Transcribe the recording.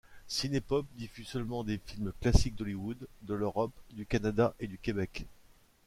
Cinépop diffuse seulement des films classiques d'Hollywood, de l'Europe, du Canada et du Québec.